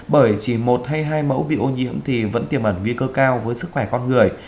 bởi chỉ một hay hai mẫu bị ô nhiễm thì vẫn tiềm ẩn nguy cơ cao với sức khỏe con người